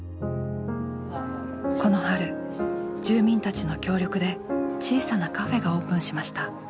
この春住民たちの協力で小さなカフェがオープンしました。